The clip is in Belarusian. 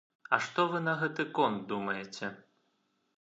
А што вы на гэты конт думаеце?